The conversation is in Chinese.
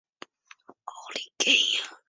因加泽拉是巴西伯南布哥州的一个市镇。